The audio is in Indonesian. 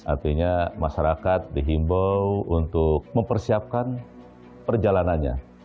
artinya masyarakat dihimbau untuk mempersiapkan perjalanannya